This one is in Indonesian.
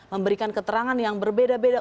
memberikan keterangan yang berbeda beda